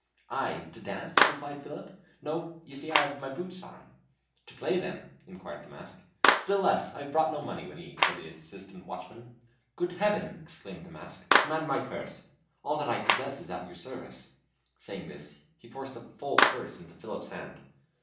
"I? To dance?" replied Philip. "No you see I have boots on." "To play, then?" inquired the mask. "Still less. I have brought no money with me," said the assistant watchman. "Good heaven!" exclaimed the mask. "Command my purse all that I possess is at your service!" Saying this, he forced a full purse into Philip's hand.